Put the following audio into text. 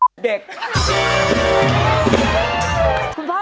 เหมือนไม่เหมือน